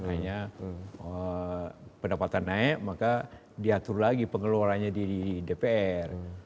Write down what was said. hanya pendapatan naik maka diatur lagi pengeluarannya di dpr